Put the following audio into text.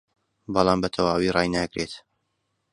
بەڵام بەتەواوی ڕایناگرێت